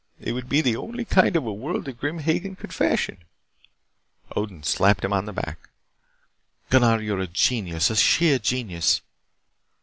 It would be the only kind of a world that Grim Hagen could fashion." Odin slapped him on the back. "Gunnar, you are a genius, a sheer genius."